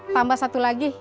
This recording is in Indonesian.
tambah satu lagi